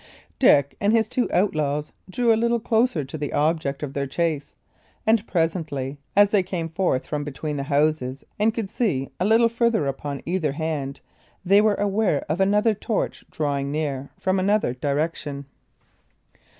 Dick and his two outlaws drew a little closer to the object of their chase, and presently, as they came forth from between the houses and could see a little farther upon either hand, they were aware of another torch drawing near from another direction.